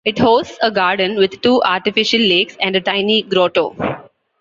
It hosts a garden with two artificial lakes and a tiny grotto.